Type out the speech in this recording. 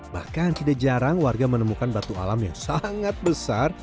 bahkan tidak jarang warga menemukan batu alam yang sangat besar